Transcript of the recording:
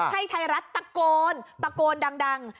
ไทยรัฐตะโกนตะโกนดัง